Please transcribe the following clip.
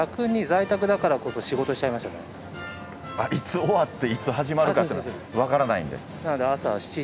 いつ終わっていつ始まるかって分からないんで。